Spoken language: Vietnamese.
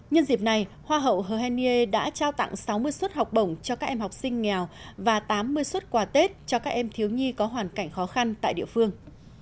nhân dịp này hoa hậu henry đã trao tặng sáu mươi suất học bổng cho các em học sinh nghèo và tám mươi suất quà tết cho các em thiếu nhi có hoàn cảnh khó khăn tại địa phương